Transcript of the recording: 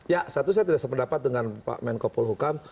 ya satu saya tidak sependapat dengan pak menko polhukam